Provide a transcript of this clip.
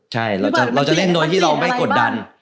ใช่เราจะเล่นโดยที่เราไม่กดดัน